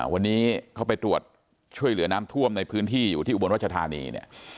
วันนี้เขาไปตรวจช่วยเหลือน้ำท่วมในพื้นที่อยู่ที่อุบลรัชธานีเนี่ย